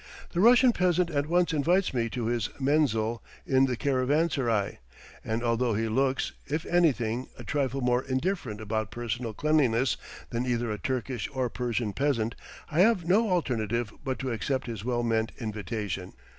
The Russian peasant at once invites me to his menzil in the caravansarai; and although he looks, if anything, a trifle more indifferent about personal cleanliness than either a Turkish or Persian peasant, I have no alternative but to accept his well meant invitation.